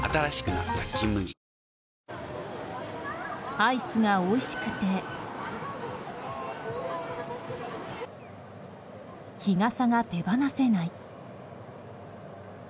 アイスがおいしくて日傘が手放せない。